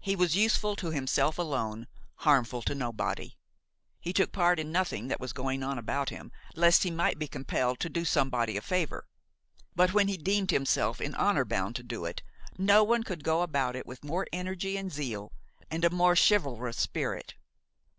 He was useful to himself alone, harmful to nobody. He took part in nothing that was going on about him, lest he might be compelled to do somebody a favor. But, when he deemed himself in honor bound to do it, no one could go about it with more energy and zeal and a more chivalrous spirit.